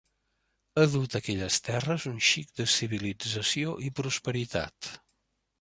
Ha dut a aquelles terres un xic de civilització i prosperitat.